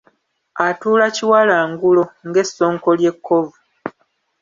Atuula kiwalangulo, ng’essonko ly’ekkovu.